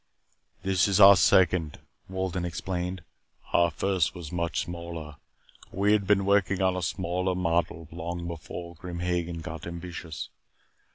"This is our second," Wolden explained. "Our first was much smaller. We had been working on a smaller model long before Grim Hagen got ambitious.